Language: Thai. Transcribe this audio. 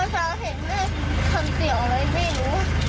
ช้าเห็นแม่ทำเสียงอะไรไม่รู้